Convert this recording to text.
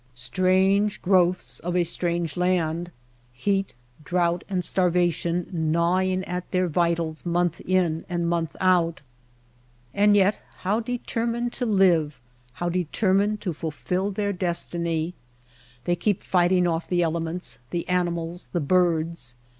Strange growths of a strange land ! Heat, drouth, and starvation gnawing at their vitals month in and month out ; and yet how deter mined to live, how determined to fulfill their destiny ! They keep fighting off the elements, the animals, the birds.